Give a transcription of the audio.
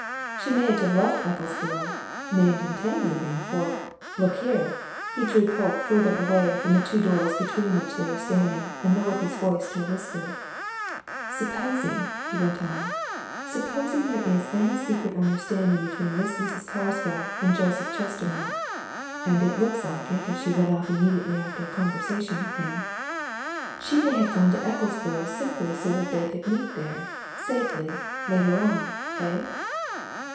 She mayn't have left Ecclesborough mayn't intend leaving. For look here !" he drew Polke further away from the two doors between which they were standing, and lowered his voice to a whisper "Supposing," he went on, "supposing there is any secret understanding between this Mrs. Carswell and Joseph Chestermarke (and it looks like it, if she went off immediately after a conversation with him), she may have gone to Ecclesborough simply so that they could meet there, safely, later on. Eh?"